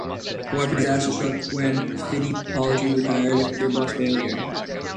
However disaster struck when Fittipaldi retired with gearbox failure.